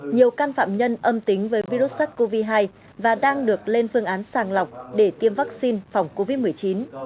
nhiều can phạm nhân âm tính với virus sars cov hai và đang được lên phương án sàng lọc để tiêm vaccine phòng covid một mươi chín